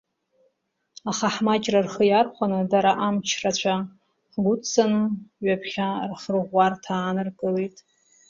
Аха ҳмаҷра рхы иархәаны, дара амч рацәа ҳгәыдҵаны ҩаԥхьа рхырӷәӷәарҭа ааныркылеит.